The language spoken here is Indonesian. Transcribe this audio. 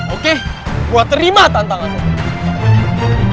oke gue terima tantangannya